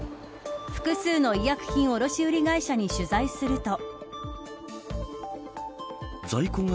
複数の医薬品卸売会社に取材すると。